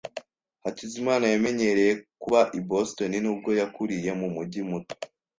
Hakizimana yamenyereye kuba i Boston nubwo yakuriye mu mujyi muto.